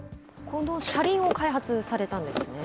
この車輪を開発されたんですね。